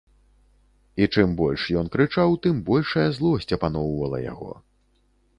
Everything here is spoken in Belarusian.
І чым больш ён крычаў, тым большая злосць апаноўвала яго.